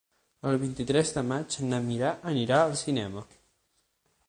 El vint-i-tres de maig na Mira anirà al cinema.